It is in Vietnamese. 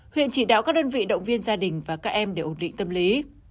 huyện chỉ đạo các đơn vị động viên gia đình và các em để ổn định tâm lý